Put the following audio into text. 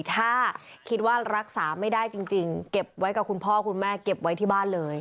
ถ้าคิดว่ารักษาไม่ได้จริงเก็บไว้กับคุณพ่อคุณแม่เก็บไว้ที่บ้านเลย